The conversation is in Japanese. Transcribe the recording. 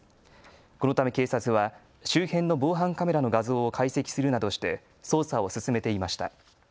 このため警察は周辺の防犯カメラの画像を解析するなどして捜査を進めていました。